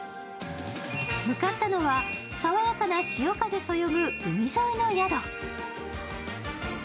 向かったのは爽やかな潮風そよぐ海沿いの宿。